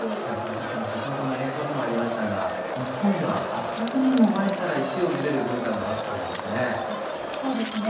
先ほどの映像にもありましたが日本では８００年も前から石を愛でる文化があったんですね。